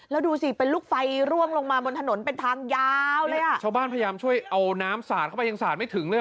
แล้วดูสิเป็นลูกไฟร่วงลงมาบนถนนเป็นทางยาวเลยอ่ะชาวบ้านพยายามช่วยเอาน้ำสาดเข้าไปยังสาดไม่ถึงเลย